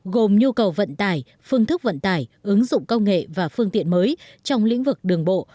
gồm nhu cầu vận tải phương thức vận tải ứng dụng công nghệ và phương tiện mới trong lĩnh vực đường bộ